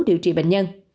điều trị bệnh nhân